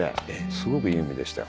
すごくいい海でしたよ。